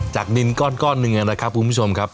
ดินก้อนหนึ่งนะครับคุณผู้ชมครับ